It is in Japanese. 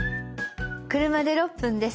車で６分です。